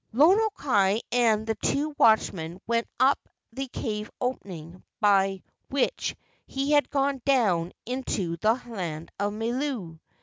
Lono kai and the two watchmen went up the cave opening by which he had gone down into the land of Milu.